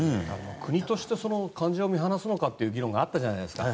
国として患者を見放すのかという議論があったじゃないですか。